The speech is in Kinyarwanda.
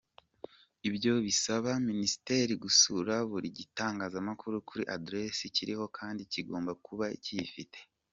Ibyo bisaba ministeri gusura buri gitangazamakuru kuri adresse kiriho kandi kigomba kuba kiyifite.